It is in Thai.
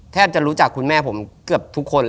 แทบจะรู้จักคุณแม่ผมเกือบทุกคน